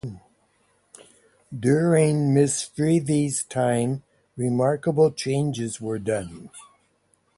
During Miss Freethy's time remarkable changes were done.